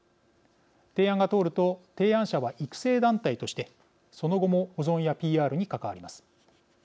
提案が通ると、提案者は育成団体としてその後も保存やＰＲに関わります。